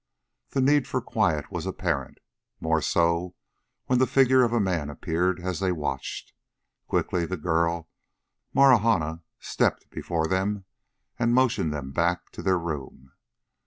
The need for quiet was apparent, more so when the figure of a man appeared as they watched. Quickly the girl, Marahna, stepped before them and motioned them back to their room.